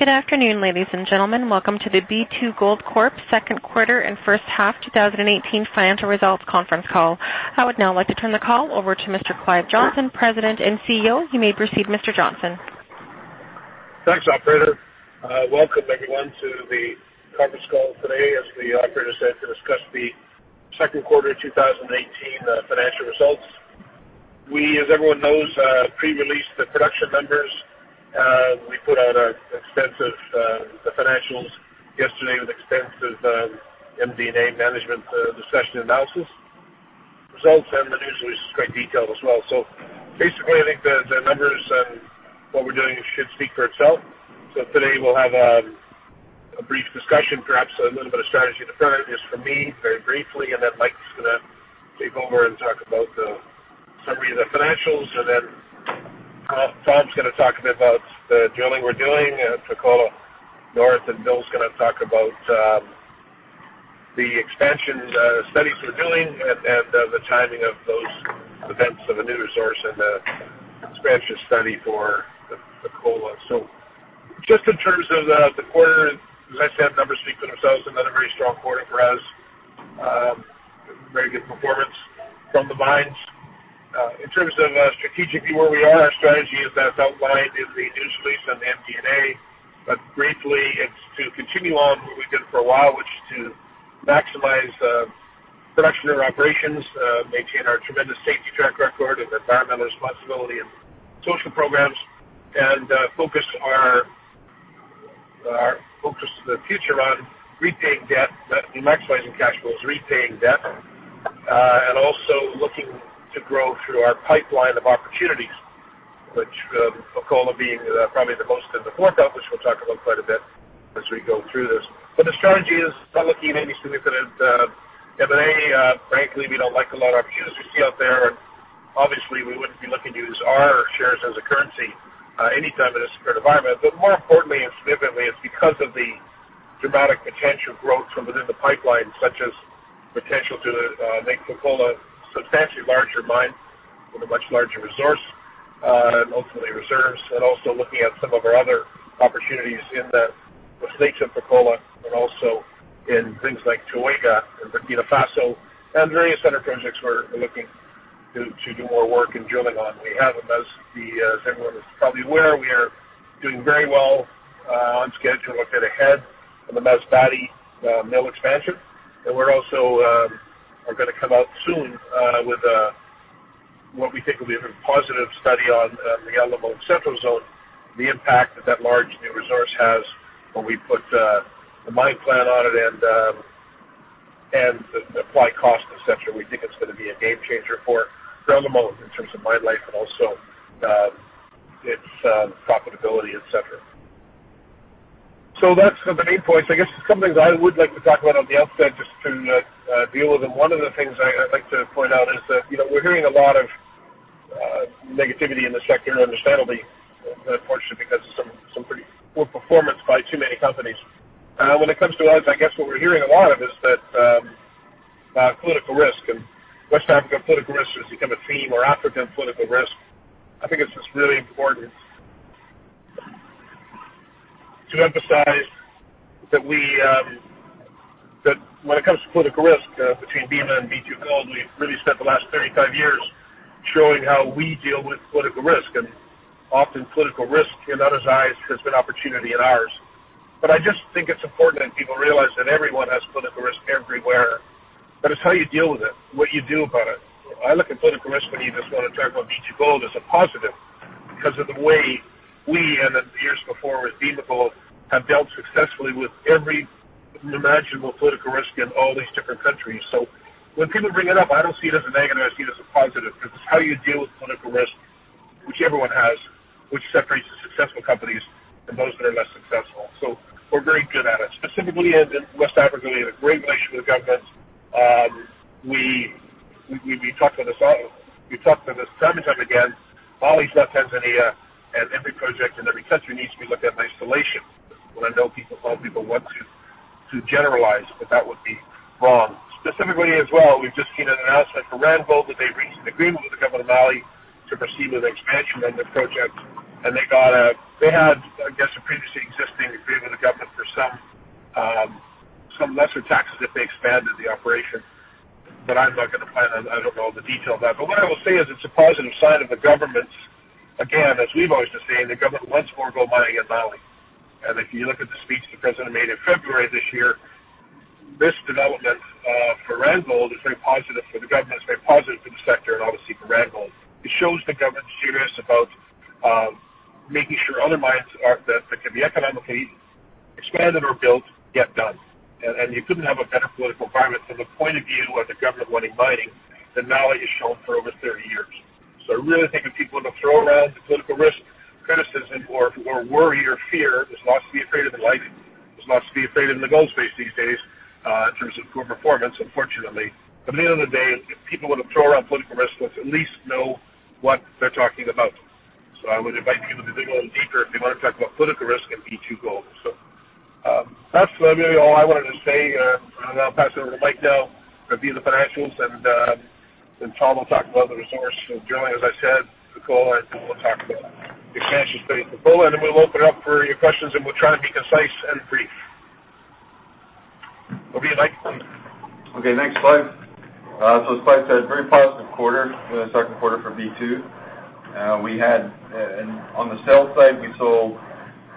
Good afternoon, ladies and gentlemen. Welcome to the B2Gold Corp Second Quarter and First Half 2018 Financial Results conference call. I would now like to turn the call over to Mr. Clive Johnson, President and CEO. You may proceed, Mr. Johnson. Thanks, operator. Welcome everyone to the conference call today, as the operator said, to discuss the second quarter 2018 financial results. We, as everyone knows, pre-released the production numbers. We put out the financials yesterday with extensive MD&A management discussion and analysis results, and the news release is quite detailed as well. Basically, I think the numbers and what we're doing should speak for itself. Today we'll have a brief discussion, perhaps a little bit of strategy and priorities from me, very briefly, and then Mike's going to take over and talk about the summary of the financials, and then Tom's going to talk a bit about the drilling we're doing at Fekola North, and Bill's going to talk about the expansion studies we're doing and the timing of those events of a new resource and the expansion study for Fekola. Just in terms of the quarter, as I said, numbers speak for themselves. Another very strong quarter for us. Very good performance from the mines. In terms of strategically where we are, our strategy is as outlined in the news release on the MD&A. Briefly, it's to continue on what we've done for a while, which is to maximize production or operations, maintain our tremendous safety track record and environmental responsibility and social programs, and focus our focus to the future on maximizing cash flows, repaying debt, and also looking to grow through our pipeline of opportunities, which Fekola being probably the most in the forefront, which we'll talk about quite a bit as we go through this. The strategy is not looking at any significant M&A. Frankly, we don't like a lot of opportunities we see out there. Obviously, we wouldn't be looking to use our shares as a currency anytime in this current environment. More importantly and significantly, it's because of the dramatic potential growth from within the pipeline, such as potential to make Fekola a substantially larger mine with a much larger resource, and ultimately reserves. Also looking at some of our other opportunities in the states of Fekola and also in things like Touéga in Burkina Faso and various other projects we're looking to do more work and drilling on. We have, as everyone is probably aware, we are doing very well, on schedule, a bit ahead on the Masbate mill expansion. We also are going to come out soon with what we think will be a very positive study on the [inaudible] Central Zone, the impact that that large new resource has when we put the mine plan on it and apply cost, et cetera. We think it's going to be a game changer for [inaudible] in terms of mine life and also its profitability, et cetera. They're the main points. I guess there's some things I would like to talk about on the outset, just to deal with them. One of the things I'd like to point out is that we're hearing a lot of negativity in the sector, understandably, unfortunately, because of some pretty poor performance by too many companies. When it comes to us, I guess what we're hearing a lot of is that political risk and West African political risk has become a theme, or African political risk. I think it's just really important to emphasize that when it comes to political risk between Bema and B2Gold, we've really spent the last 35 years showing how we deal with political risk, and often political risk in other's eyes has been opportunity in ours. I just think it's important that people realize that everyone has political risk everywhere, but it's how you deal with it, what you do about it. I look at political risk, when you just want to talk about B2Gold, as a positive because of the way we, and in the years before with Bema Gold, have dealt successfully with every imaginable political risk in all these different countries. When people bring it up, I don't see it as a negative, I see it as a positive, because it's how you deal with political risk, which everyone has, which separates the successful companies from those that are less successful. We're very good at it. Specifically in West Africa, we have a great relationship with the governments. We've talked on this time and time again. Mali, South Tanzania, and every project in every country needs to be looked at in isolation. I know some people want to generalize, but that would be wrong. Specifically as well, we've just seen an announcement for Randgold that they've reached an agreement with the government of Mali to proceed with the expansion of their project, and they had, I guess, a previously existing agreement with the government for some lesser taxes if they expanded the operation. I'm not going to comment on I don't know all the detail of that. What I will say is it's a positive sign of the government's, again, as we've always been saying, the government wants more gold mining in Mali. If you look at the speech the president made in February of this year, this development for Randgold is very positive for the government, it's very positive for the sector, and obviously for Randgold. It shows the government's serious about making sure other mines that can be economically expanded or built get done, and you couldn't have a better political environment from the point of view of the government wanting mining than Mali has shown for over 30 years. I really think when people want to throw around the political risk criticism or worry or fear, there's lots to be afraid of in life. There's lots to be afraid of in the gold space these days in terms of poor performance, unfortunately. At the end of the day, if people want to throw around political risk, let's at least know what they're talking about. I would invite people to dig a little deeper if they want to talk about political risk and B2Gold. That's really all I wanted to say. I'll pass it over to Mike now, review the financials, then Tom will talk about the resource. Generally, as I said, Fekola, we'll talk about expansion space for Fekola, then we'll open it up for your questions, we'll try to be concise and brief. Over to you, Mike. Okay, thanks, Clive. As Clive said, very positive quarter for the second quarter for B2. On the sales side, we sold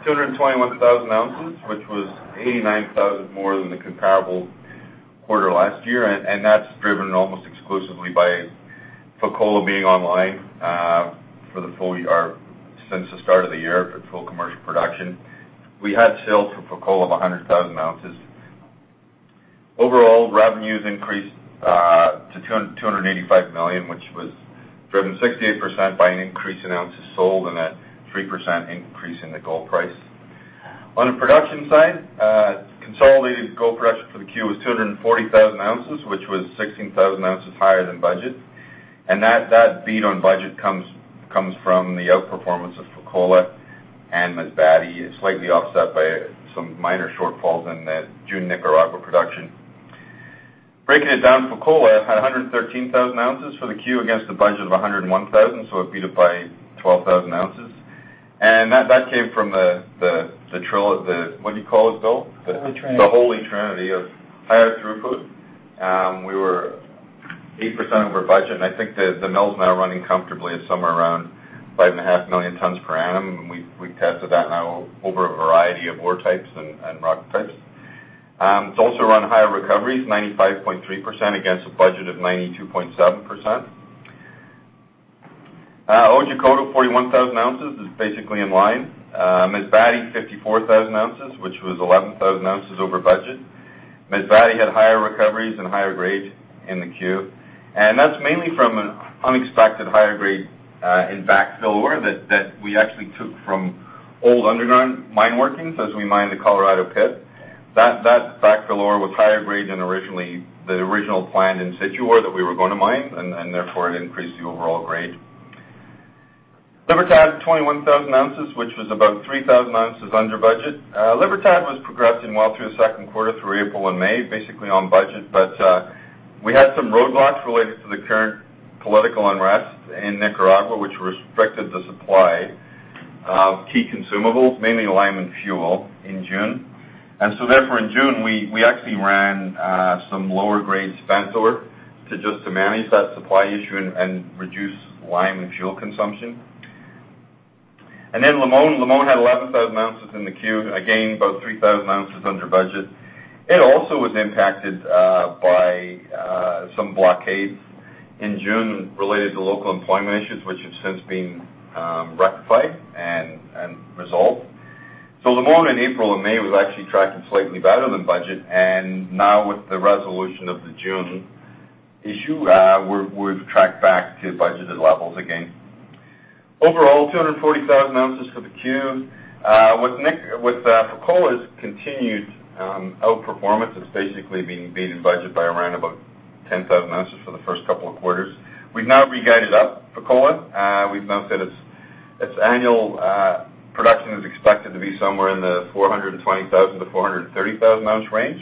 221,000 ounces, which was 89,000 more than the comparable quarter last year, that's driven almost exclusively by Fekola being online since the start of the year for full commercial production. We had sales for Fekola of 100,000 ounces. Overall, revenues increased to $285 million, which was driven 68% by an increase in ounces sold, a 3% increase in the gold price. On the production side, consolidated gold production for the Q was 240,000 ounces, which was 16,000 ounces higher than budget. That beat on budget comes from the outperformance of Fekola and Masbate, slightly offset by some minor shortfalls in the June Nicaragua production. Breaking it down, Fekola had 113,000 ounces for the Q against a budget of 101,000, it beat it by 12,000 ounces. That came from the What do you call it, Bill? The holy trinity. The holy trinity of higher throughput. We were 8% over budget. I think the mill's now running comfortably at somewhere around 5.5 million tons per annum. We tested that now over a variety of ore types and rock types. It's also run higher recoveries, 95.3% against a budget of 92.7%. Otjikoto, 41,000 ounces, is basically in line. Masbate, 54,000 ounces, which was 11,000 ounces over budget. Masbate had higher recoveries and higher grades in the Q. That's mainly from unexpected higher grade in backfill ore that we actually took from old underground mine workings as we mined the Colorado pit. That backfill ore was higher grade than the original plan, in situ ore, that we were going to mine. Therefore, it increased the overall grade. Libertad, 21,000 ounces, which was about 3,000 ounces under budget. Libertad was progressing well through the second quarter, through April and May, basically on budget. We had some roadblocks related to the current political unrest in Nicaragua, which restricted the supply of key consumables, mainly lime and fuel, in June. Therefore, in June, we actually ran some lower grade spent ore just to manage that supply issue and reduce lime and fuel consumption. Then Limon. Limon had 11,000 ounces in the Q, again, about 3,000 ounces under budget. It also was impacted by some blockades in June related to local employment issues, which have since been rectified and resolved. Limon in April and May was actually tracking slightly better than budget. Now with the resolution of the June issue, we've tracked back to budgeted levels again. Overall, 240,000 ounces for the Q. With Fekola's continued outperformance, it's basically been beating budget by around about 10,000 ounces for the first couple of quarters. We've now re-guided up Fekola. We've now said its annual production is expected to be somewhere in the 420,000-430,000 ounce range.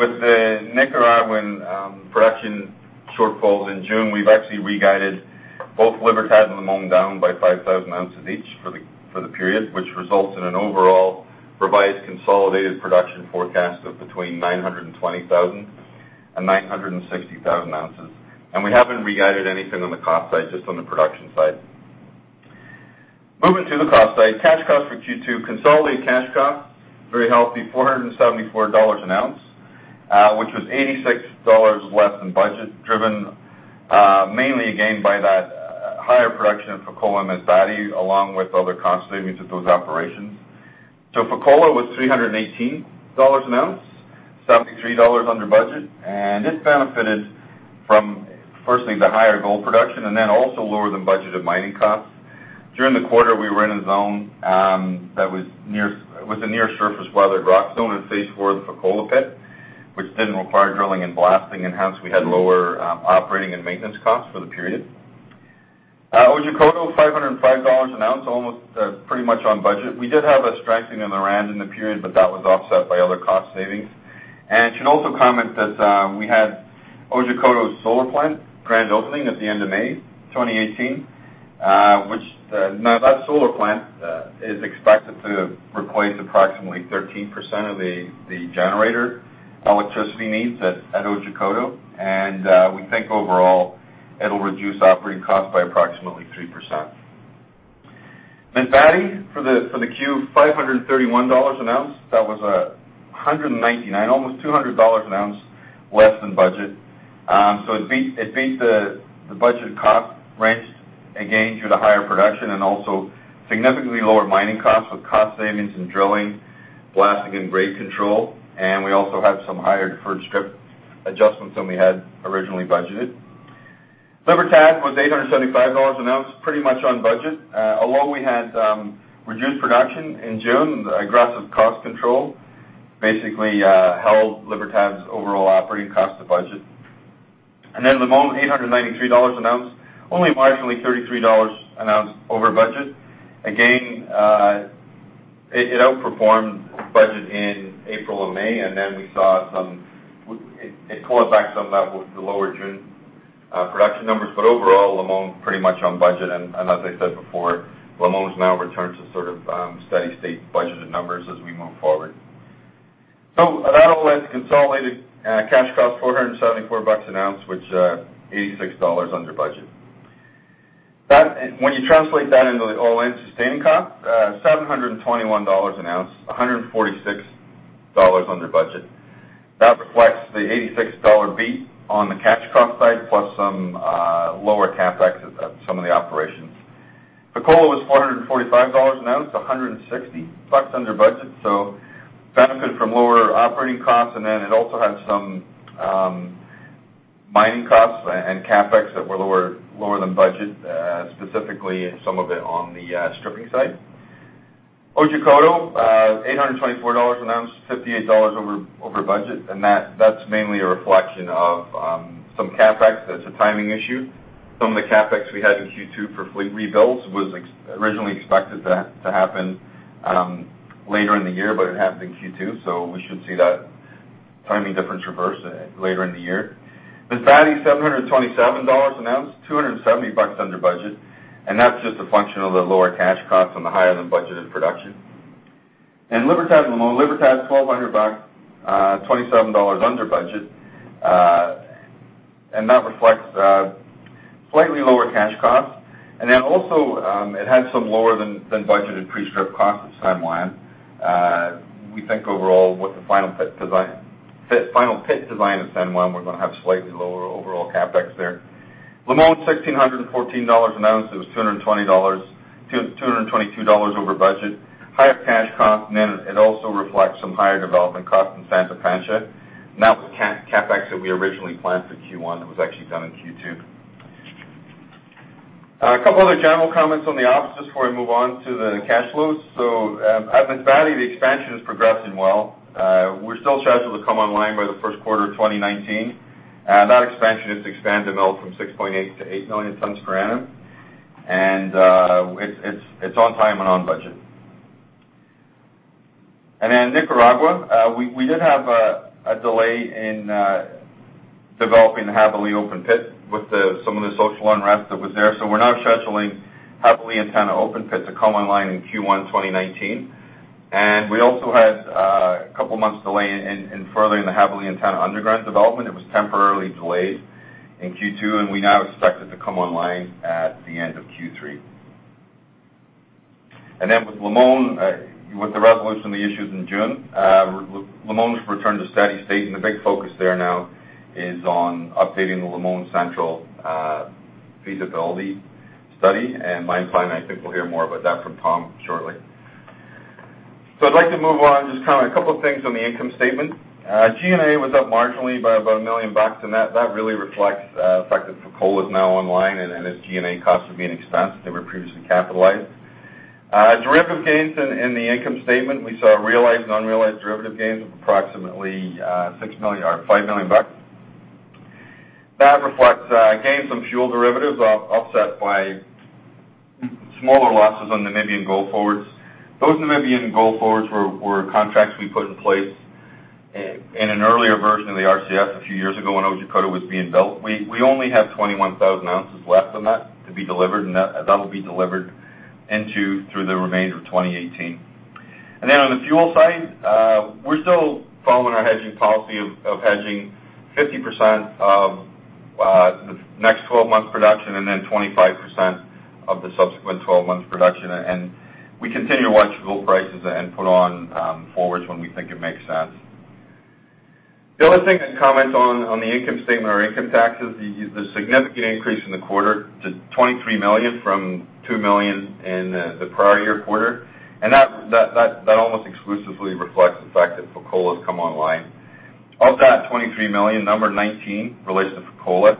With the Nicaraguan production shortfalls in June, we've actually re-guided both Libertad and Limon down by 5,000 ounces each for the period, which results in an overall revised consolidated production forecast of between 920,000 and 960,000 ounces. We haven't re-guided anything on the cost side, just on the production side. Moving to the cost side. Cash cost for Q2. Consolidated cash cost, very healthy, $474 an ounce, which was $86 less than budget, driven mainly, again, by that higher production at Fekola and Masbate, along with other cost savings at those operations. Fekola was $318 an ounce, $73 under budget. This benefited from, firstly, the higher gold production. Then also lower than budgeted mining costs. During the quarter, we were in a zone that was a near-surface weathered rock zone in Stage 4 of the Fekola pit, which didn't require drilling and blasting. Hence, we had lower operating and maintenance costs for the period. Otjikoto, $505 an ounce, almost pretty much on budget. We did have a strengthening in the rand in the period, but that was offset by other cost savings. I should also comment that we had Otjikoto's solar plant grand opening at the end of May 2018. That solar plant is expected to replace approximately 13% of the generator electricity needs at Otjikoto. We think overall it'll reduce operating costs by approximately 3%. Masbate for the Q, $531 an ounce. $199, almost $200 an ounce less than budget. It beat the budgeted cost range, again, due to higher production and also significantly lower mining costs with cost savings in drilling, blasting, and grade control, and we also had some higher deferred strip adjustments than we had originally budgeted. Libertad was $875 an ounce, pretty much on budget. Although we had reduced production in June, aggressive cost control basically held Libertad's overall operating cost to budget. Limon, $893 an ounce, only marginally $33 an ounce over budget. Again, it outperformed budget in April and May, and then it pulled back some of that with the lower June production numbers. Overall, Limon pretty much on budget. As I said before, Limon's now returned to sort of steady state budgeted numbers as we move forward. That all adds to consolidated cash cost $474 an ounce, which $86 under budget. When you translate that into the all-in sustaining cost, $721 an ounce, $146 under budget. That reflects the $86 beat on the cash cost side plus some lower CapEx at some of the operations. Fekola was $445 an ounce, $160 under budget, benefit from lower operating costs, and then it also had some mining costs and CapEx that were lower than budget, specifically some of it on the stripping side. Otjikoto, $824 an ounce, $58 over budget, and that's mainly a reflection of some CapEx that's a timing issue. Some of the CapEx we had in Q2 for fleet rebuilds was originally expected to happen later in the year, it happened in Q2, we should see that timing difference reverse later in the year. Masbate, $727 an ounce, $270 under budget, that's just a function of the lower cash costs on the higher-than-budgeted production. Libertad and Limon. Libertad, $1,200, $27 under budget. That reflects slightly lower cash costs, also, it had some lower than budgeted pre-strip costs at San Juan. We think overall, with the final pit design at San Juan, we're going to have slightly lower overall CapEx there. Limon, $1,614 an ounce. It was $222 over budget. Higher cash costs, it also reflects some higher development costs in Santa Pancha, that was CapEx that we originally planned for Q1 that was actually done in Q2. A couple other general comments on the ops just before I move on to the cash flows. At Masbate, the expansion is progressing well. We're still scheduled to come online by the first quarter of 2019. That expansion is to expand the mill from 6.8 to eight million tons per annum. It's on time and on budget. Nicaragua, we did have a delay in developing the Havili open pit with some of the social unrest that was there. We're now scheduling Havili and Tana open pit to come online in Q1 2019. We also had a couple months delay in furthering the Havili and Tana underground development. It was temporarily delayed in Q2, we now expect it to come online at the end of Q3. With Limon, with the resolution of the issues in June, Limon's returned to steady state, the big focus there now is on updating the Limon Central feasibility study. By in time, I think we'll hear more about that from Tom shortly. I'd like to move on, just kind of a couple of things on the income statement. G&A was up marginally by about $1 million, and that really reflects the fact that Fekola is now online and its G&A costs are being expensed. They were previously capitalized. Derivative gains in the income statement, we saw realized and unrealized derivative gains of approximately $5 million. That reflects gains on fuel derivatives offset by smaller losses on Namibian go-forwards. Those Namibian go-forwards were contracts we put in place in an earlier version of the RCF a few years ago when Otjikoto was being built. We only have 21,000 ounces left on that to be delivered, and that will be delivered through the remainder of 2018. On the fuel side, we're still following our hedging policy of hedging 50% of the next 12 months' production and 25% of the subsequent 12 months' production. We continue to watch gold prices and put on forwards when we think it makes sense. The other thing I'd comment on the income statement are income taxes. The significant increase in the quarter to $23 million from $2 million in the prior year quarter, and that almost exclusively reflects the fact that Fekola has come online. Of that $23 million, $19 million relates to Fekola.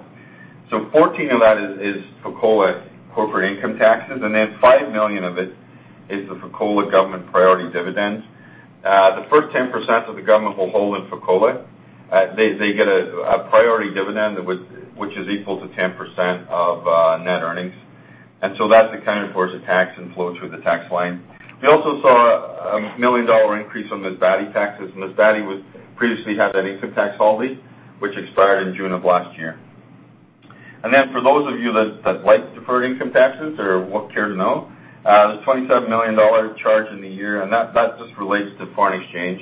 $14 million of that is Fekola corporate income taxes, and then $5 million of it is the Fekola government priority dividends. The first 10% of the government will hold in Fekola. They get a priority dividend which is equal to 10% of net earnings. That's accounted for as a tax and flows through the tax line. We also saw a $1 million increase on Masbate taxes. Masbate previously had that income tax holiday, which expired in June of last year. For those of you that like deferred income taxes or care to know, there's a $27 million charge in the year, and that just relates to foreign exchange.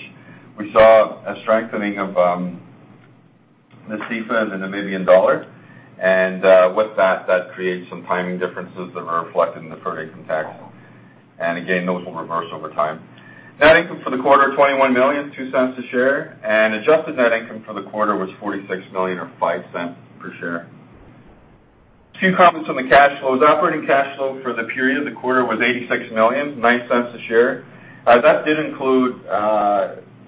We saw a strengthening of the CFA franc and the Namibian dollar. With that creates some timing differences that are reflected in deferred income taxes. Again, those will reverse over time. Net income for the quarter, $21 million, $0.02 a share. Adjusted net income for the quarter was $46 million or $0.05 per share. Two comments on the cash flows. Operating cash flow for the period, the quarter, was $86 million, $0.09 a share. That did include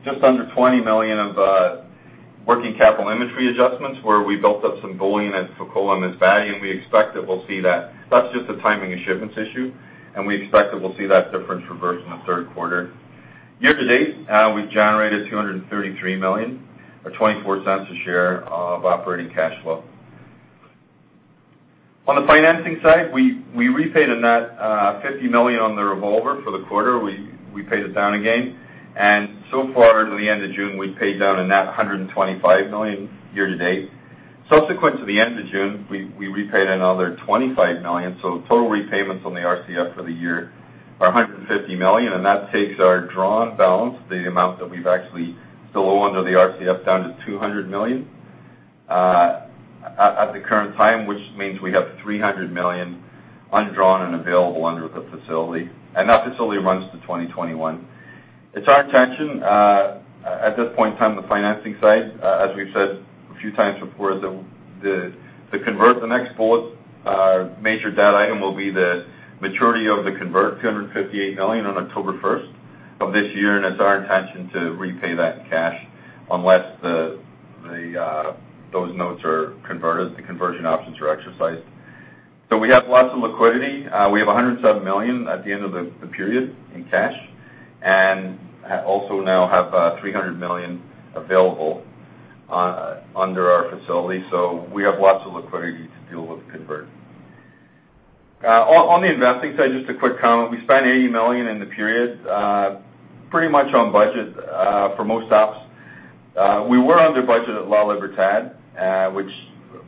just under $20 million of working capital inventory adjustments, where we built up some bullion at Fekola and Masbate, and we expect that we'll see that. That's just a timing and shipments issue, and we expect that we'll see that difference reverse in the third quarter. Year-to-date, we've generated $233 million or $0.24 a share of operating cash flow. On the financing side, we repaid a net $50 million on the revolver for the quarter. We paid it down again, and so far, through the end of June, we've paid down a net $125 million year-to-date. Subsequent to the end of June, we repaid another $25 million. Total repayments on the RCF for the year are $150 million, and that takes our drawn balance, the amount that we've actually still owe under the RCF, down to $200 million at the current time, which means we have $300 million undrawn and available under the facility, and that facility runs to 2021. It's our intention at this point in time, the financing side, as we've said a few times before, the convert, the next bullet, our major debt item will be the maturity of the convert, $258 million on October 1st of this year, and it's our intention to repay that in cash unless those notes are converted, the conversion options are exercised. We have lots of liquidity. We have $107 million at the end of the period in cash, and also now have $300 million available under our facility. We have lots of liquidity to deal with convert. On the investing side, just a quick comment. We spent $80 million in the period, pretty much on budget for most ops. We were under budget at La Libertad, which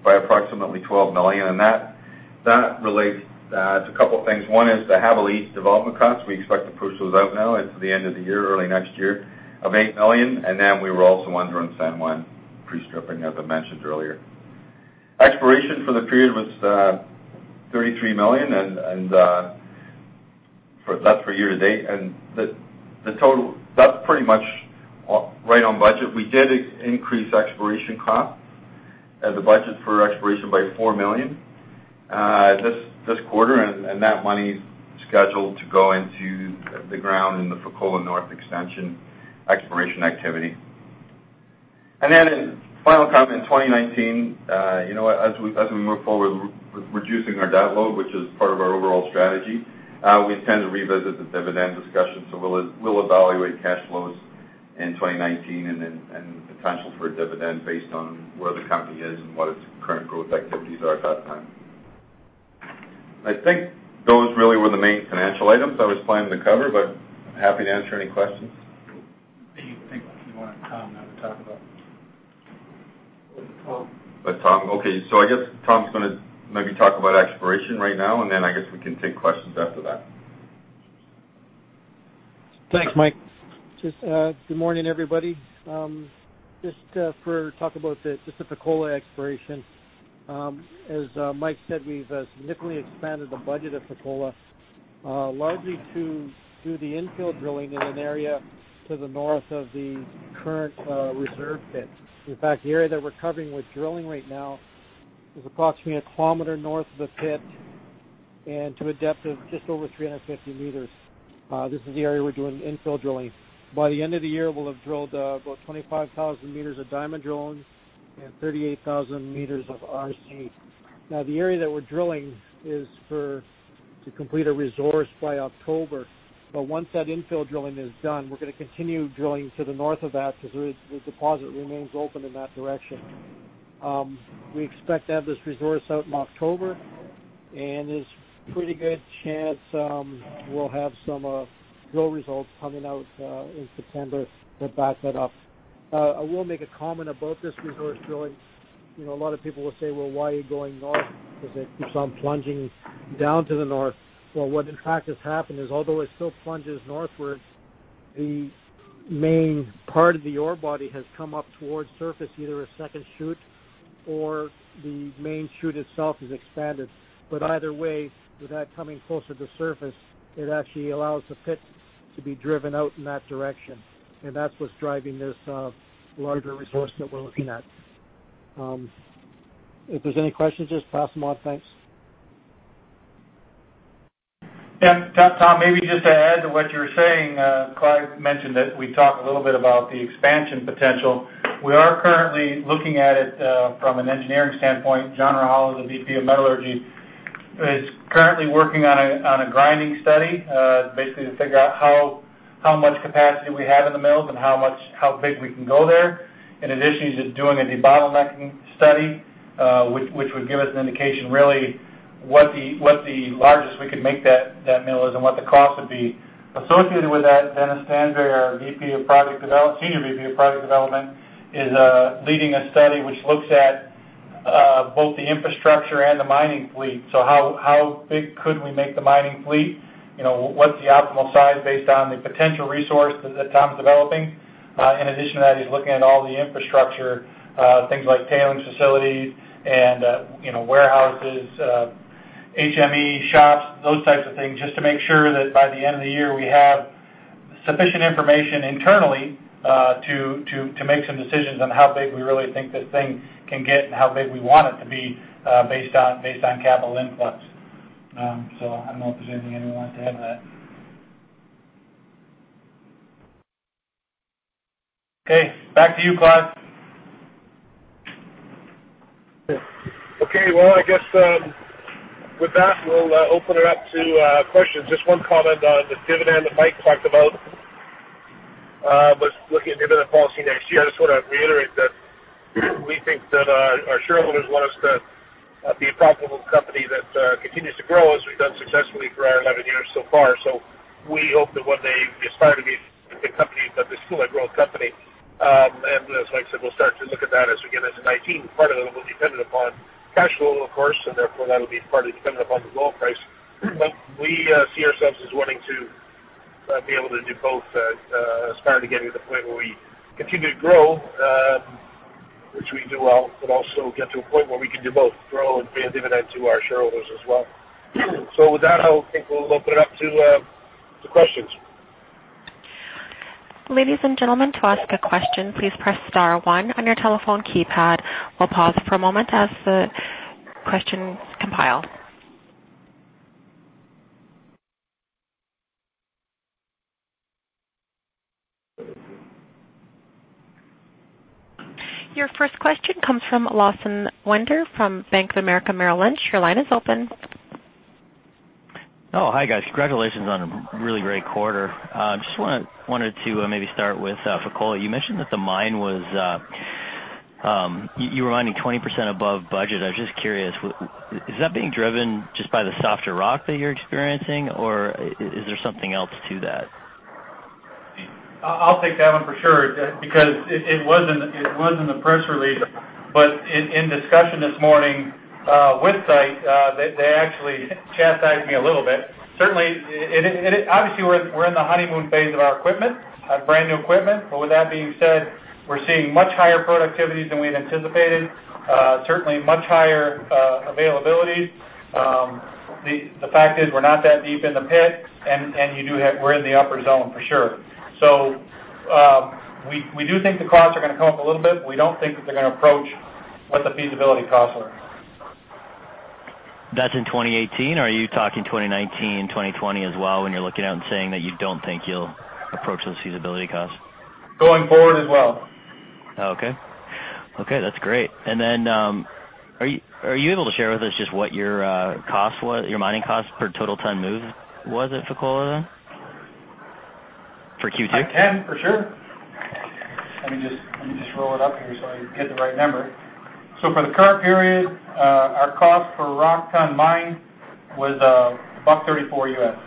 by approximately $12 million, and that relates to a couple of things. One is the Jabali lease development costs. We expect to push those out now into the end of the year, early next year, of $8 million, and then we were also under in San Juan, pre-stripping, as I mentioned earlier. Exploration for the period was $33 million, and that's for year-to-date. The total, that's pretty much right on budget. We did increase exploration cost as a budget for exploration by $4 million this quarter, and that money's scheduled to go into the ground in the Fekola North extension exploration activity. Final comment, in 2019, as we move forward with reducing our debt load, which is part of our overall strategy, we intend to revisit the dividend discussion. We'll evaluate cash flows in 2019 and then potential for a dividend based on where the company is and what its current growth activities are at that time. I think those really were the main financial items I was planning to cover, but I'm happy to answer any questions. Do you think you want Tom now to talk about Let Tom. Let Tom? Okay. I guess Tom's going to maybe talk about exploration right now, I guess we can take questions after that. Thanks, Mike. Just good morning, everybody. Just for talk about the Fekola exploration. As Mike said, we've significantly expanded the budget at Fekola, largely to do the infill drilling in an area to the north of the current reserve pit. In fact, the area that we're covering with drilling right now is approximately a kilometer north of the pit and to a depth of just over 350 meters. This is the area we're doing infill drilling. By the end of the year, we'll have drilled about 25,000 meters of diamond drilling and 38,000 meters of RC. The area that we're drilling is to complete a resource by October. Once that infill drilling is done, we're going to continue drilling to the north of that because the deposit remains open in that direction. We expect to have this resource out in October, there's a pretty good chance we'll have some drill results coming out in September to back that up. I will make a comment about this resource drilling. A lot of people will say, "Well, why are you going north?" Because it keeps on plunging down to the north. Well, what in fact has happened is, although it still plunges northwards, the main part of the ore body has come up towards surface, either a second shoot or the main shoot itself has expanded. Either way, with that coming closer to surface, it actually allows the pit to be driven out in that direction, and that's what's driving this larger resource that we're looking at. If there's any questions, just pass them on. Thanks. Yeah. Tom, maybe just to add to what you were saying, Clive mentioned it. We talked a little bit about the expansion potential. We are currently looking at it from an engineering standpoint. John Rajala, the Vice President of Metallurgy, is currently working on a grinding study basically to figure out how much capacity we have in the mills and how big we can go there. In addition, he's just doing a debottlenecking study, which would give us an indication really what the largest we could make that mill is and what the cost would be. Associated with that, Dennis Stansbury, our Senior Vice President, Engineering & Project Evaluations, is leading a study which looks at both the infrastructure and the mining fleet. How big could we make the mining fleet? What's the optimal size based on the potential resource that Tom's developing? In addition to that, he's looking at all the infrastructure things like tailings facilities and warehouses, HME shops, those types of things, just to make sure that by the end of the year, we have sufficient information internally to make some decisions on how big we really think this thing can get and how big we want it to be based on capital influx. I don't know if there's anything anyone wants to add to that. Okay, back to you, Clive Okay. Well, I guess with that, we'll open it up to questions. Just one comment on the dividend that Mike talked about was looking at dividend policy next year. I just want to reiterate that we think that our shareholders want us to be a profitable company that continues to grow, as we've done successfully for 11 years so far. We hope that what they aspire to be is a good company, but they still a growth company. As Mike said, we'll start to look at that as we get into 2019. Part of it will be dependent upon cash flow, of course, and therefore that'll be partly dependent upon the gold price. We see ourselves as wanting to be able to do both, aspire to getting to the point where we continue to grow, which we do well, but also get to a point where we can do both grow and pay a dividend to our shareholders as well. With that, I think we'll open it up to questions. Ladies and gentlemen, to ask a question, please press *1 on your telephone keypad. We'll pause for a moment as the question is compiled. Your first question comes from Lawson Winder from Bank of America Merrill Lynch. Your line is open. Hi, guys. Congratulations on a really great quarter. Just wanted to maybe start with Fekola. You mentioned that you were mining 20% above budget. I was just curious, is that being driven just by the softer rock that you're experiencing, or is there something else to that? I'll take that one for sure, because it was in the press release, in discussion this morning with site, they actually chastised me a little bit. Certainly, obviously, we're in the honeymoon phase of our equipment, brand-new equipment. With that being said, we're seeing much higher productivities than we had anticipated. Certainly much higher availability. The fact is, we're not that deep in the pit, and we're in the upper zone for sure. We do think the costs are going to come up a little bit, but we don't think that they're going to approach what the feasibility costs were. That's in 2018. Are you talking 2019, 2020 as well when you're looking out and saying that you don't think you'll approach those feasibility costs? Going forward as well. Okay. That's great. Are you able to share with us just what your mining cost per total ton moved was at Fekola then for Q2? I can, for sure. Let me just roll it up here so I get the right number. For the current period, our cost for rock ton mined was $1.34.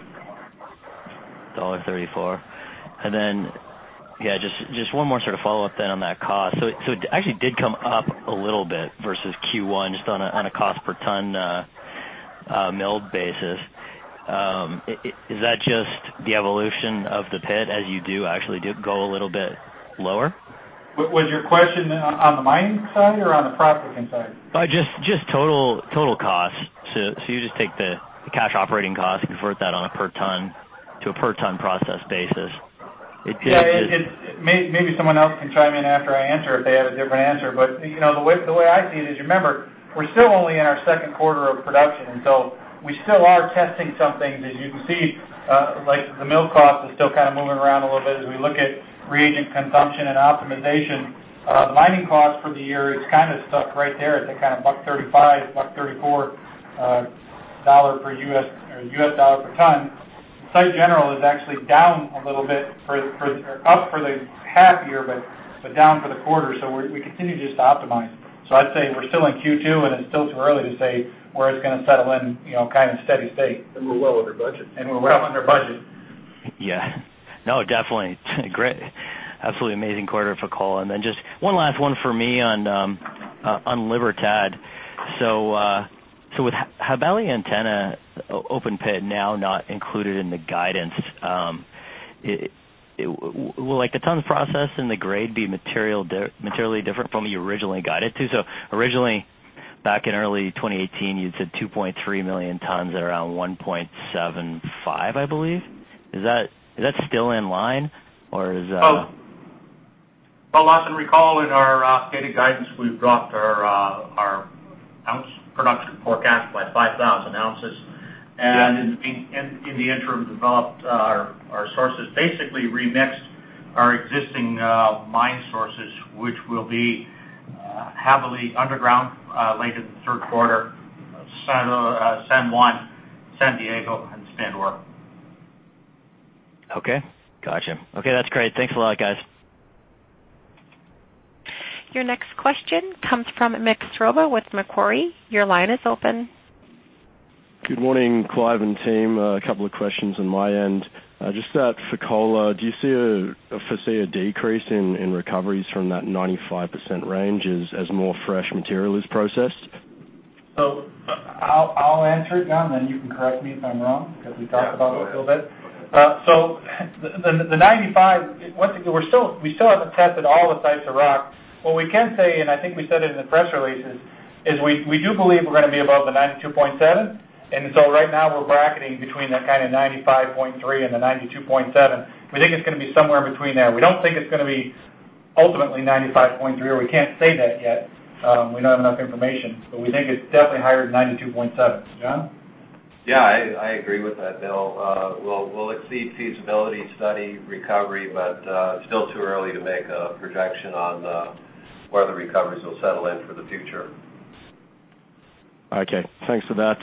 $1.34. Then, just one more sort of follow-up then on that cost. It actually did come up a little bit versus Q1 just on a cost per ton, milled basis. Is that just the evolution of the pit as you do actually go a little bit lower? Was your question on the mining side or on the processing side? Just total costs. You just take the cash operating cost, convert that to a per ton processed basis. Yeah. Maybe someone else can chime in after I answer if they have a different answer. The way I see it is, remember, we're still only in our second quarter of production, we still are testing some things. As you can see, like the mill cost is still kind of moving around a little bit as we look at reagent consumption and optimization. Mining cost for the year is kind of stuck right there at that kind of $1.35, $1.34 per ton. Site general is actually up for the half year, but down for the quarter. We continue just to optimize. I'd say we're still in Q2, and it's still too early to say where it's going to settle in, kind of steady state. We're well under budget. We're well under budget. Yeah. No, definitely. Great. Absolutely amazing quarter, Fekola. Just one last one for me on Libertad. With Jabali Antena open pit now not included in the guidance, will the tons processed and the grade be materially different from what you originally guided to? Originally back in early 2018, you'd said 2.3 million tons at around 1.75, I believe. Is that still in line, or is? Well, Lawson, recall in our stated guidance, we've dropped our ounce production forecast by 5,000 ounces and in the interim, developed our sources, basically remixed our existing mine sources, which will be heavily underground late in the third quarter, San Juan, San Diego, and Spindor. Okay, gotcha. Okay, that's great. Thanks a lot, guys. Your next question comes from Mick Stroba with Macquarie. Your line is open. Good morning, Clive and team. A couple of questions on my end. Just at Fekola, do you foresee a decrease in recoveries from that 95% range as more fresh material is processed? I'll answer it, John, then you can correct me if I'm wrong because we talked about it a little bit. Yeah, go ahead. The 95, we still haven't tested all the types of rock. What we can say, and I think we said it in the press releases, is we do believe we're going to be above the 92.7. Right now we're bracketing between that kind of 95.3 and the 92.7. We think it's going to be somewhere in between there. We don't think it's going to be ultimately 95.3, or we can't say that yet. We don't have enough information, but we think it's definitely higher than 92.7. John? Yeah, I agree with that, Bill. We'll exceed feasibility study recovery, but it's still too early to make a projection on where the recoveries will settle in for the future. Okay. Thanks for that.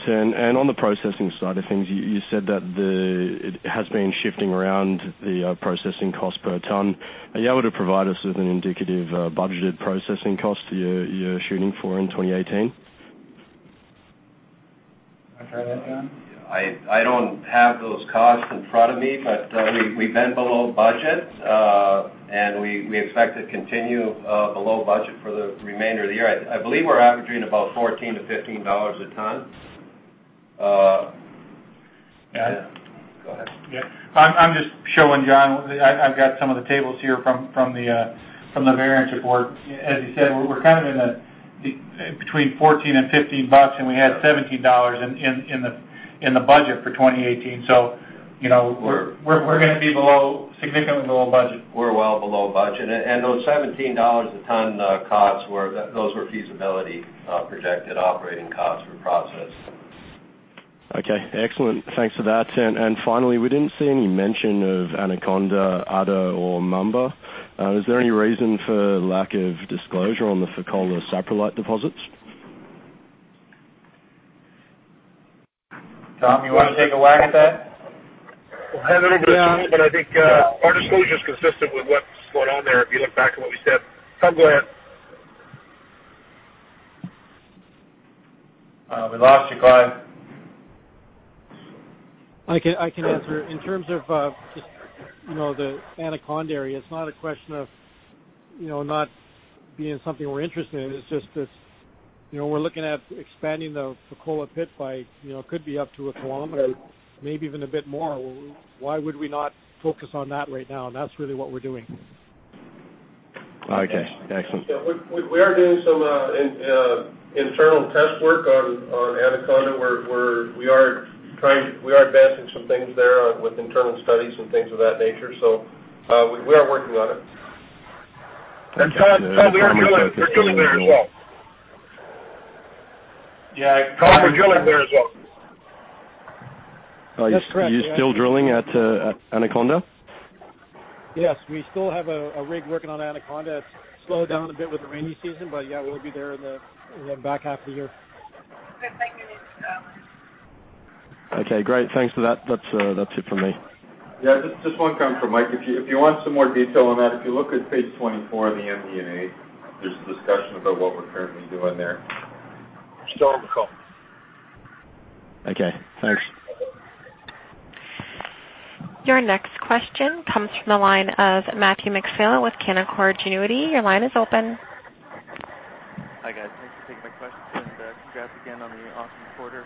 On the processing side of things, you said that it has been shifting around the processing cost per ton. Are you able to provide us with an indicative, budgeted processing cost you're shooting for in 2018? Want to try that, John? I don't have those costs in front of me, but we've been below budget, and we expect to continue below budget for the remainder of the year. I believe we're averaging about $14-$15 a ton. Yeah. Go ahead. Yeah. I'm just showing John. I've got some of the tables here from the variance report. As you said, we're kind of between $14 and $15, and we had $17 in the budget for 2018. We're going to be significantly below budget. We're well below budget. Those $17 a ton costs were feasibility projected operating costs per process. Okay, excellent. Thanks for that. Finally, we didn't see any mention of Anaconda, Adder, or Mamba. Is there any reason for lack of disclosure on the Fekola saprolite deposits? Tom, you want to take a whack at that? We'll have a little bit on it, but I think our disclosure is consistent with what's going on there. If you look back at what we said. Tom, go ahead. We lost you, Clive. I can answer. In terms of just the Anaconda area, it's not a question of not being something we're interested in. It's just that we're looking at expanding the Fekola pit by, could be up to a kilometer, maybe even a bit more. Why would we not focus on that right now? That's really what we're doing. Okay, excellent. Yeah, we are doing some internal test work on Anaconda, where we are advancing some things there with internal studies and things of that nature. We are working on it. Todd, we are drilling there as well. Yeah. Todd, we're drilling there as well. Are you still drilling at Anaconda? Yes, we still have a rig working on Anaconda. It's slowed down a bit with the rainy season, but yeah, we'll be there in the back half of the year. Okay, great. Thanks for that. That's it from me. Yeah, just one comment from Mike. If you want some more detail on that, if you look at page 24 in the MD&A, there's a discussion about what we're currently doing there. Still on the call. Okay, thanks. Your next question comes from the line of Matthew McPhail with Canaccord Genuity. Your line is open. Hi, guys. Thanks for taking my questions and congrats again on the awesome quarter.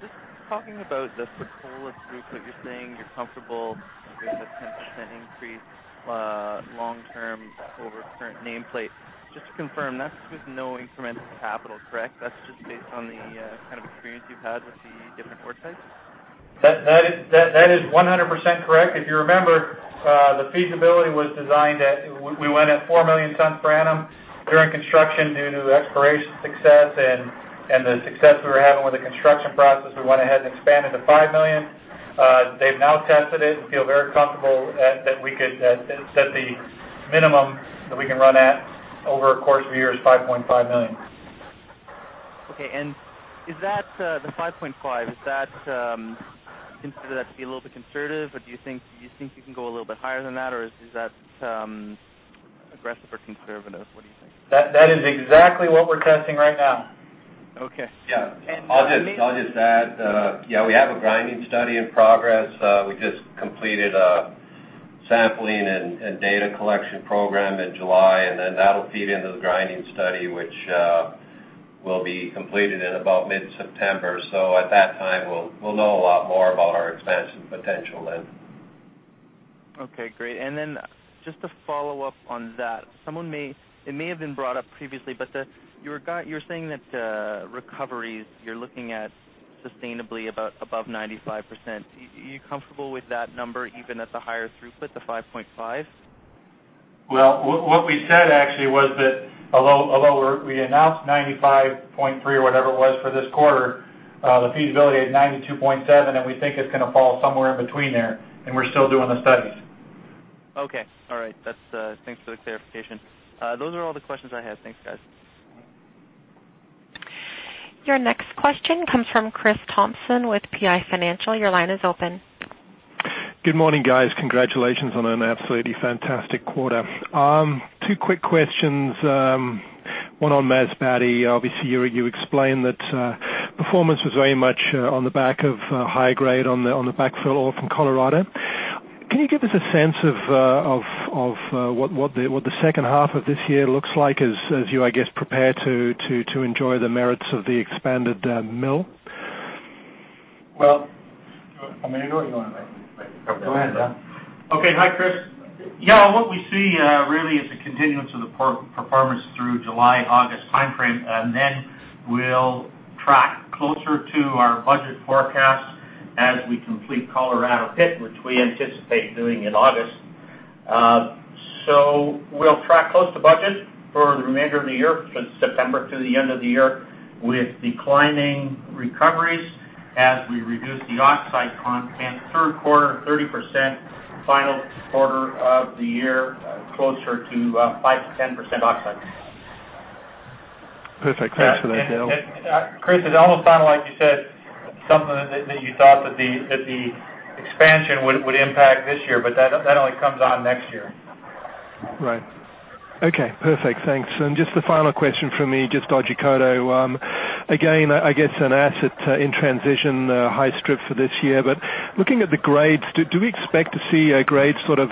Just talking about the Fekola throughput, you are saying you are comfortable with a 10% increase, long term over current nameplate. Just to confirm, that is with no incremental capital, correct? That is just based on the kind of experience you have had with the different ore sites? That is 100% correct. If you remember, the feasibility was designed at, we went at 4 million tons per annum during construction due to the exploration success and the success we were having with the construction process. We went ahead and expanded to 5 million. They have now tested it and feel very comfortable that we could set the minimum that we can run at over a course of a year is 5.5 million. Okay, is that, the 5.5, is that considered to be a little bit conservative or do you think you can go a little bit higher than that, or is that aggressive or conservative? What do you think? That is exactly what we're testing right now. Okay. I'll just add, we have a grinding study in progress. We just completed a sampling and data collection program in July, that'll feed into the grinding study, which will be completed in about mid-September. At that time, we'll know a lot more about our expansion potential then. Okay, great. Just to follow up on that, it may have been brought up previously, you're saying that recoveries, you're looking at sustainably above 95%. Are you comfortable with that number even at the higher throughput, the 5.5? Well, what we said actually was that although we announced 95.3 or whatever it was for this quarter, the feasibility is 92.7, and we think it's going to fall somewhere in between there, and we're still doing the studies. Okay. All right. Thanks for the clarification. Those are all the questions I had. Thanks, guys. Your next question comes from Chris Thompson with PI Financial. Your line is open. Good morning, guys. Congratulations on an absolutely fantastic quarter. Two quick questions. One on Masbate. Obviously, you explained that performance was very much on the back of high grade on the backfill from Fekola. Can you give us a sense of what the second half of this year looks like as you, I guess, prepare to enjoy the merits of the expanded mill? Well You want me to do it, or you want to? Go ahead, John. Okay. Hi, Chris. Yeah, what we see really is a continuance of the performance through July, August timeframe, and then we'll track closer to our budget forecast as we complete Colorado pit, which we anticipate doing in August. We'll track close to budget for the remainder of the year, from September to the end of the year, with declining recoveries as we reduce the oxide content. Third quarter, 30%, final quarter of the year, closer to 5%-10% oxide. Perfect. Thanks for that, John. Chris, it almost sounded like you said something that you thought that the expansion would impact this year, but that only comes on next year. Right. Okay, perfect. Thanks. Just the final question from me, just on Otjikoto. Again, I guess an asset in transition, high strip for this year. Looking at the grades, do we expect to see grades sort of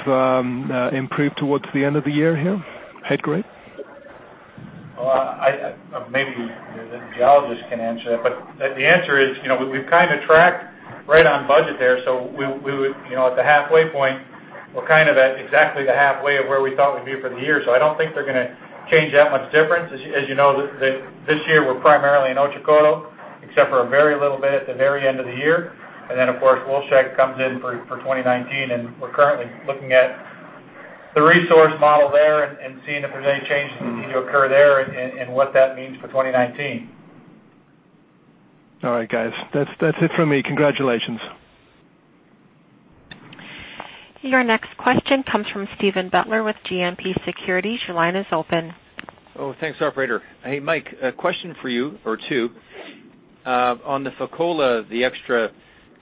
improve towards the end of the year here? Head grade? Well, maybe the geologists can answer that. The answer is, we've kind of tracked right on budget there. At the halfway point, we're kind of at exactly the halfway of where we thought we'd be for the year. I don't think they're going to change that much difference. As you know, this year, we're primarily in Otjikoto, except for a very little bit at the very end of the year. Then, of course, Wolfshag comes in for 2019, and we're currently looking at the resource model there and seeing if there's any changes that need to occur there and what that means for 2019. All right, guys. That's it for me. Congratulations. Your next question comes from Steven Butler with GMP Securities. Your line is open. Thanks, operator. Hey, Mike, a question for you, or two. On the Fekola, the extra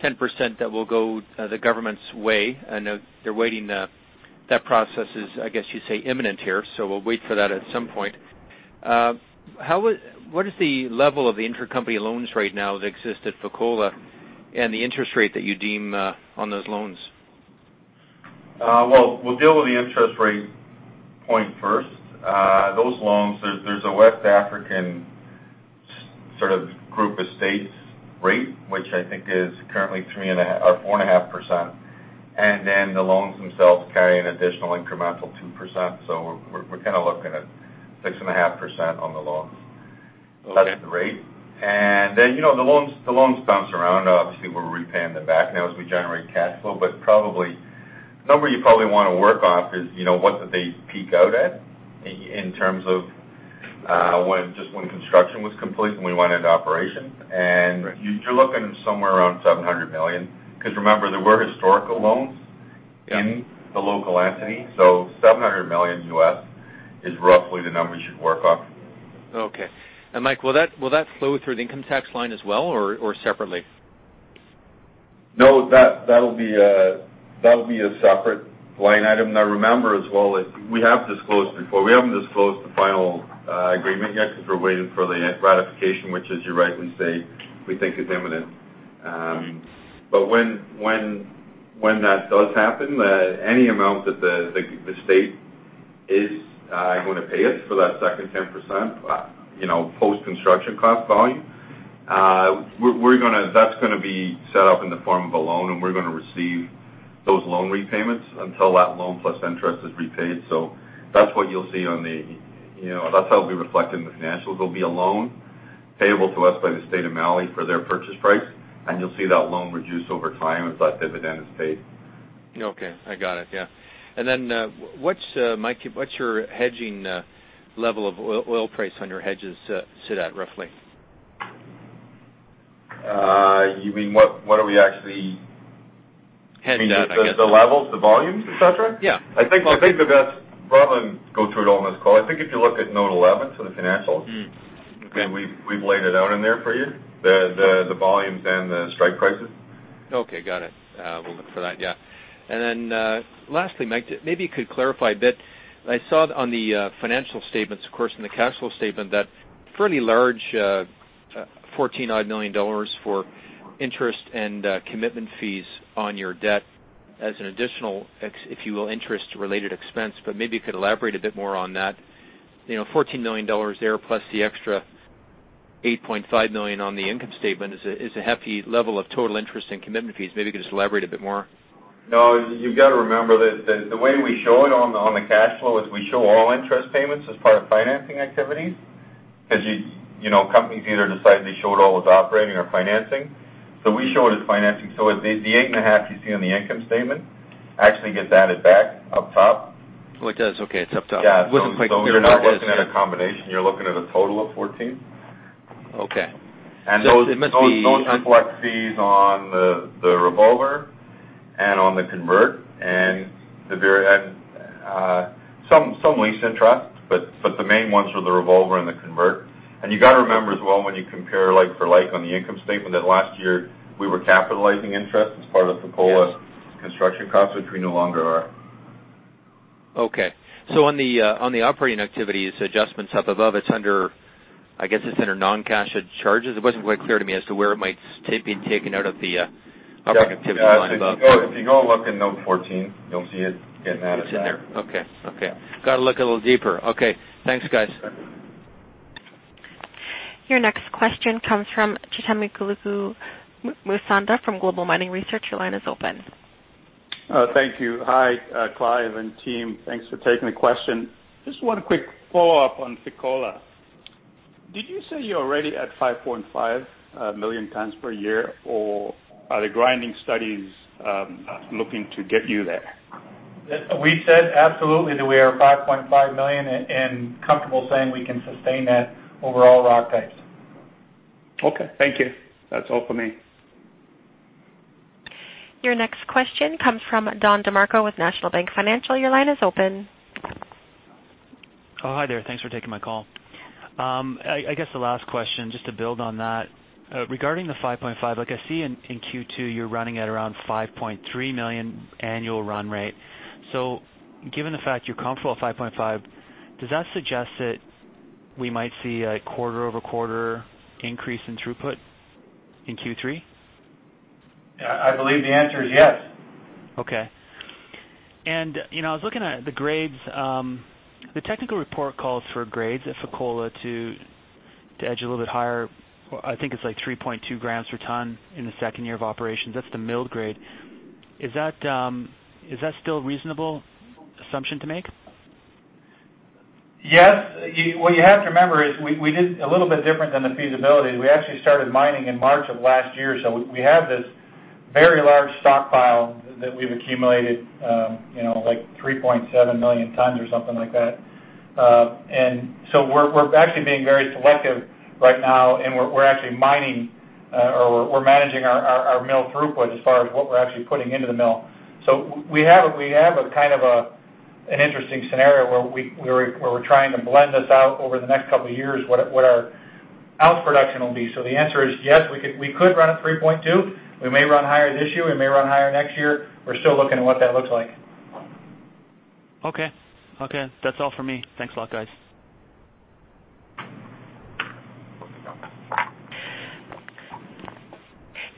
10% that will go the government's way. I know they're waiting, that process is, I guess you'd say, imminent here, so we'll wait for that at some point. What is the level of the intercompany loans right now that exist at Fekola and the interest rate that you deem on those loans? Well, we'll deal with the interest rate point first. Those loans, there's a West African sort of group estate rate, which I think is currently 4.5%, and then the loans themselves carry an additional incremental 2%. We're kind of looking at 6.5% on the loans. Okay. That's the rate. Then, the loans bounce around. Obviously, we're repaying them back now as we generate cash flow, but the number you probably want to work off is, what did they peak out at in terms of just when construction was complete and we went into operation? You're looking somewhere around $700 million. Because remember, there were historical loans- Yeah in the local entity, $700 million is roughly the number you should work off. Okay. Mike, will that flow through the income tax line as well, or separately? No, that'll be a separate line item. Now, remember as well, we have disclosed before, we haven't disclosed the final agreement yet because we're waiting for the ratification, which, as you rightly say, we think is imminent. When that does happen, any amount that the state is going to pay us for that second 10%, post-construction cost volume, that's going to be set up in the form of a loan, and we're going to receive those loan repayments until that loan plus interest is repaid. That's what you'll see, that's how it'll be reflected in the financials. There'll be a loan payable to us by the state of Mali for their purchase price, and you'll see that loan reduce over time as that dividend is paid. Okay, I got it. Yeah. Mike, what's your hedging level of oil price on your hedges sit at, roughly? You mean what are we actually- Hedging at, I guess the levels, the volumes, et cetera? Yeah. I think we'll probably go through it all on this call. I think if you look at note 11, the financials. Okay. We've laid it out in there for you, the volumes and the strike prices. Okay, got it. We'll look for that, yeah. Lastly, Mike, maybe you could clarify a bit. I saw on the financial statements, of course, in the cash flow statement, that fairly large $14 odd million for interest and commitment fees on your debt as an additional, if you will, interest-related expense. Maybe you could elaborate a bit more on that. $14 million there plus the extra $8.5 million on the income statement is a hefty level of total interest and commitment fees. Maybe you could just elaborate a bit more. No, you've got to remember that the way we show it on the cash flow is we show all interest payments as part of financing activities. Companies either decide they show it all as operating or financing. We show it as financing. The eight and a half you see on the income statement actually gets added back up top. Oh, it does? Okay. It's up top. Yeah. It wasn't quite clear where that was, yeah. You're not looking at a combination, you're looking at a total of 14. Okay. It must be. Those reflect fees on the revolver and on the convert and some lease-in trust, but the main ones are the revolver and the convert. You got to remember as well when you compare like for like on the income statement, that last year, we were capitalizing interest as part of Fekola's construction costs, which we no longer are. Okay. On the operating activities adjustments up above, I guess it's under non-cash charges. It wasn't quite clear to me as to where it might be taken out of the operating activity line above. If you go look in note 14, you'll see it getting added back. It's in there. Okay. Got to look a little deeper. Okay. Thanks, guys. Your next question comes from Chitimukulu Musonda from Global Mining Research. Your line is open. Thank you. Hi, Clive and team. Thanks for taking the question. Just one quick follow-up on Fekola. Did you say you're already at 5.5 million tons per year, or are the grinding studies looking to get you there? We said absolutely that we are 5.5 million and comfortable saying we can sustain that over all rock types. Okay, thank you. That's all for me. Your next question comes from Don DeMarco with National Bank Financial. Your line is open. Oh, hi there. Thanks for taking my call. I guess the last question, just to build on that. Regarding the 5.5, like I see in Q2, you're running at around 5.3 million annual run rate. Given the fact you're comfortable at 5.5, does that suggest that we might see a quarter-over-quarter increase in throughput in Q3? I believe the answer is yes. Okay. I was looking at the grades. The technical report calls for grades at Fekola to edge a little bit higher. I think it's 3.2 grams per ton in the second year of operations. That's the milled grade. Is that still a reasonable assumption to make? Yes. What you have to remember is we did a little bit different than the feasibility. We actually started mining in March of last year, we have this very large stockpile that we've accumulated, like 3.7 million tons or something like that. We're actually being very selective right now, and we're actually mining, or we're managing our mill throughput as far as what we're actually putting into the mill. We have an interesting scenario where we're trying to blend this out over the next couple of years what our ounce production will be. The answer is yes, we could run at 3.2. We may run higher this year, we may run higher next year. We're still looking at what that looks like. Okay. That's all for me. Thanks a lot, guys.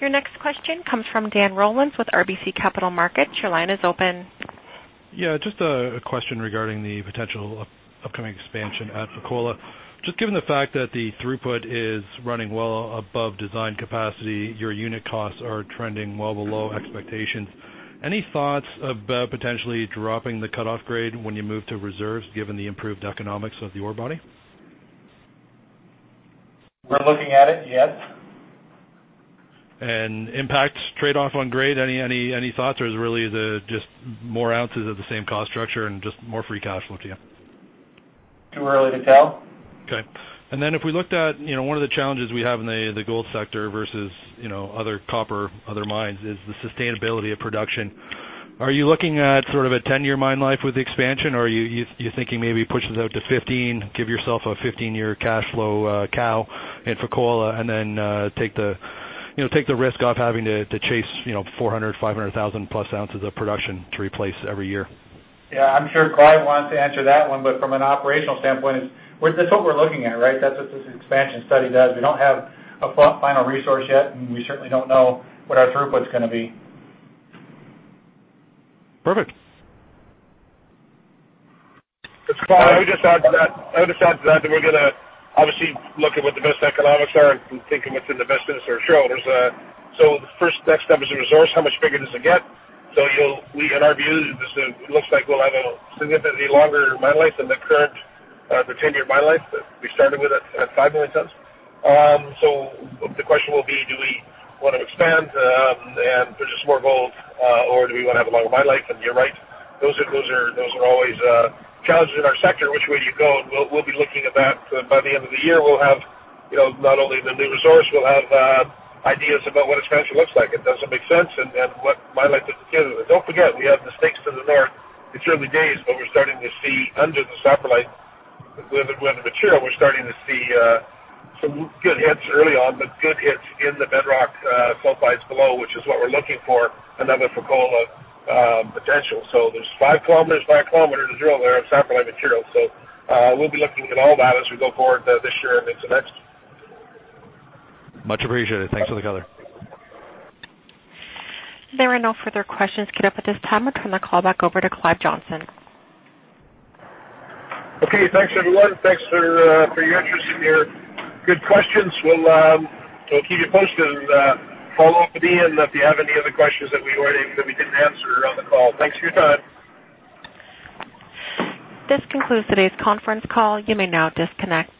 Your next question comes from Dan Rollins with RBC Capital Markets. Your line is open. Yeah, just a question regarding the potential upcoming expansion at Fekola. Just given the fact that the throughput is running well above design capacity, your unit costs are trending well below expectations. Any thoughts about potentially dropping the cutoff grade when you move to reserves, given the improved economics of the ore body? We're looking at it, yes. Impact trade-off on grade, any thoughts, or is it really just more ounces of the same cost structure and just more free cash flow to you? Too early to tell. Okay. If we looked at one of the challenges we have in the gold sector versus other copper, other mines, is the sustainability of production. Are you looking at sort of a 10-year mine life with the expansion or are you thinking maybe push this out to 15, give yourself a 15-year cash flow cow in Fekola and then take the risk off having to chase 400,000, 500,000 plus ounces of production to replace every year? Yeah, I'm sure Clive wants to answer that one, but from an operational standpoint, that's what we're looking at, right? That's what this expansion study does. We don't have a final resource yet, and we certainly don't know what our throughput's going to be. Perfect. I would just add to that we're going to obviously look at what the best economics are and think of what's in the best interest of our shareholders. The first next step is the resource. How much bigger does it get? In our view, this looks like we'll have a significantly longer mine life than the current, the 10-year mine life that we started with at 5 million tons. The question will be, do we want to expand, and there's just more gold, or do we want to have a longer mine life? You're right, those are always challenges in our sector, which way you go, and we'll be looking at that. By the end of the year, we'll have not only the new resource, we'll have ideas about what expansion looks like. It doesn't make sense, and what mine life doesn't get. Don't forget, we have the stakes to the north, it's early days, but we're starting to see under the saprolite, with the material, we're starting to see some good hits early on, but good hits in the bedrock sulfides below, which is what we're looking for, another Fekola potential. There's 5 km by 1 km to drill there of saprolite material. We'll be looking at all that as we go forward this year and into next. Much appreciated. Thanks for the color. There are no further questions queued up at this time. Let's turn the call back over to Clive Johnson. Okay, thanks everyone. Thanks for your interest and your good questions. We'll keep you posted and follow up at the end if you have any other questions that we didn't answer on the call. Thanks for your time. This concludes today's conference call. You may now disconnect.